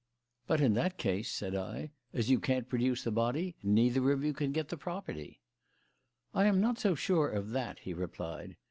"But in that case," said I, "as you can't produce the body, neither of you can get the property." "I am not so sure of that," he replied.